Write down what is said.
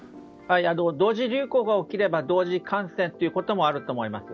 同時流行が起きれば同時感染も起きると思います。